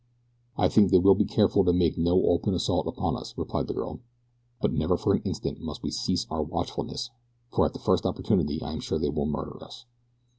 "I think they will be careful to make no open assault upon us," replied the girl; "but never for an instant must we cease our watchfulness for at the first opportunity I am sure that they will murder us."